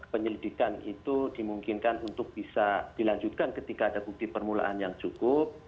penyelidikan itu dimungkinkan untuk bisa dilanjutkan ketika ada bukti permulaan yang cukup